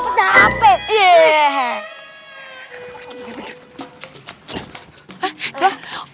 mana dapet hp